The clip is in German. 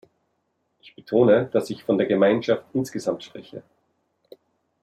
Ich betone, dass ich von der Gemeinschaft insgesamt spreche.